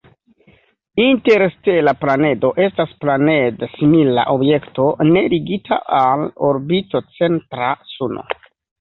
Interstela planedo estas planed-simila objekto ne ligita al orbito-centra suno.